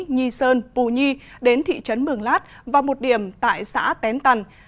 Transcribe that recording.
nhi sơn pù nhi đến thị trấn mường lát và một điểm tại xã tén tần